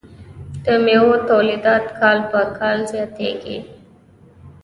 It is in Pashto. د میوو تولیدات کال په کال زیاتیږي.